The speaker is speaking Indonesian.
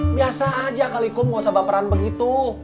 biasa aja kali kum nggak usah baperan begitu